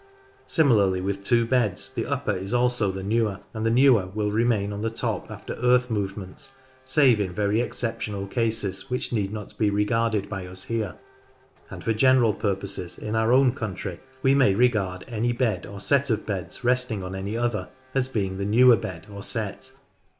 Similarly with two beds, the upper is also the newer, and the newer will remain on the top after earth movements, save in verj exceptional cases which need not be regarded by us here, and for general purposes in our own country we ni.u regard any bed or set of beds resting on any other as being the newer bed or set.